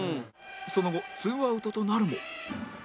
その後２アウトとなるも